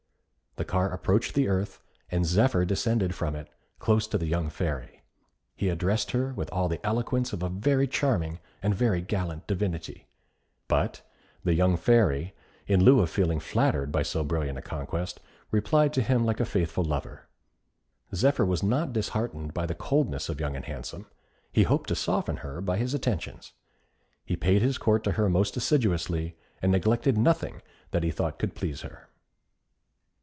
The car approached the earth, and Zephyr descended from it close to the young Fairy. He addressed her with all the eloquence of a very charming and very gallant Divinity; but the young Fairy, in lieu of feeling flattered by so brilliant a conquest, replied to him like a faithful lover. Zephyr was not disheartened by the coldness of Young and Handsome. He hoped to soften her by his attentions. He paid his court to her most assiduously, and neglected nothing that he thought could please her.